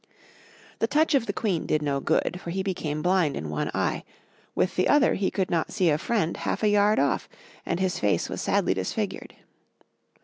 The touch of the Queen did no good, for he became blind in one eye; with the other he could not see a friend half a yard off, and his face was sadly disfigured.